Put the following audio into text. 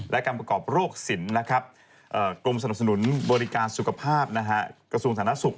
และการประกอบโรคศีลกลมสนับสนุนบริการสุขภาพกระทรวงศาลนักศึกษ์